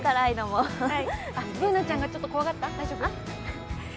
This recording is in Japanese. Ｂｏｏｎａちゃんがちょっと怖がった？